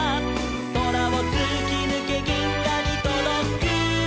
「そらをつきぬけぎんがにとどく」